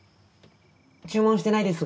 注文してないですが。